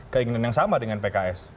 keinginan yang sama dengan pks